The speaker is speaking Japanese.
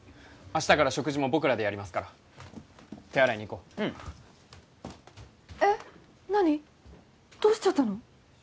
明日から食事も僕らでやりますから手洗いに行こううんえっ何どうしちゃったの？